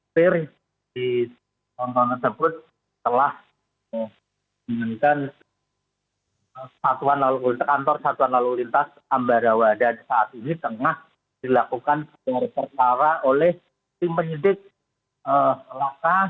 perih di taktronton tersebut telah dimiliki kantor satuan lalu lintas ambarawa dan saat ini tengah dilakukan secara secara oleh tim pendidik laka